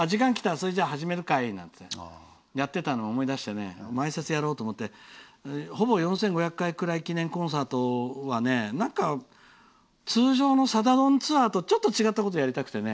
それじゃ、始めるかなんて言ってたのを思い出して前説をやろうと思って「ほぼ４５００回ぐらい記念コンサート」は通常の「さだ丼」ツアーと違ったことをやりたくてね。